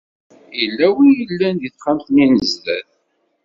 Icebba-yi Ṛebbi yella wi yellan di taxxamt-nni n zdat.